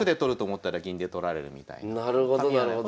なるほどなるほど。